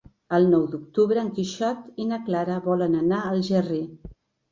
El nou d'octubre en Quixot i na Clara volen anar a Algerri.